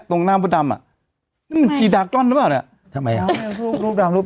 ตรงหน้าแบบหัวชีดากล้อนครับ